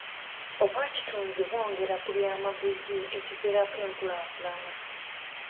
Obwakitunzi bwongera ku byamaguzi ekiviirako enkulaakulana.